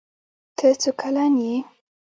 ته څو کلن يي